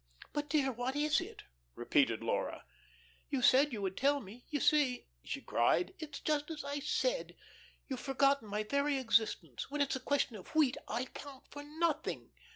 "But, dear, what is it?" repeated Laura. "You said you would tell me. You see," she cried, "it's just as I said. You've forgotten my very existence. When it's a question of wheat I count for nothing.